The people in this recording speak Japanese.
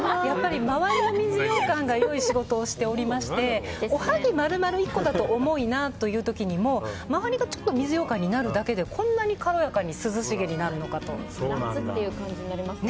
周りの水ようかんが良い仕事をしておりましておはぎ丸々１個だと重いなという時にも周りが水ようかんになるだけでこんなに軽やかに夏っていう感じになります。